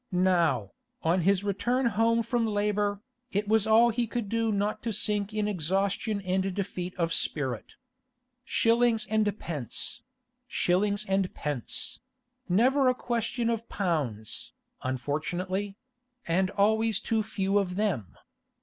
Now, on his return home from labour, it was all he could do not to sink in exhaustion and defeat of spirit. Shillings and pence; shillings and pence—never a question of pounds, unfortunately; and always too few of them.